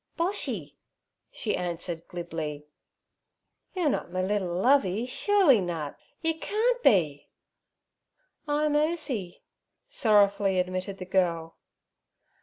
'Boshy' she answered glibly. 'You're nut me liddle Lovey, shooly nut? Yur carn't be.' 'I'm Ursie' sorrowfully admitted the girl.